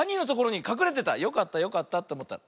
よかったよかったっておもったらあれ？